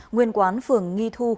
nguyên quán phường nghi thu